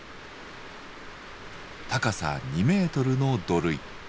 高さ２メートルの土塁。